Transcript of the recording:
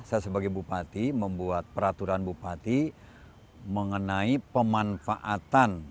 saya sebagai bupati membuat peraturan bupati mengenai pemanfaatan